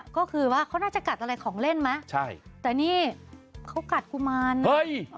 ก็คือว่าเขาน่าจะกัดอะไรของเล่นไหมใช่แต่นี่เขากัดกุมารเฮ้ย